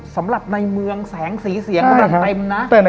สำหรับในเมืองแสงสีเสียงกำลังเต็มนะ